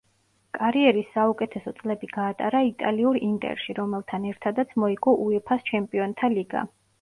კარიერის საუკეთესო წლები გაატარა იტალიურ „ინტერში“, რომელთან ერთადაც მოიგო უეფა-ს ჩემპიონთა ლიგა.